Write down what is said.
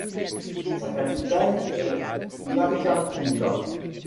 Sa capitale est Latacunga.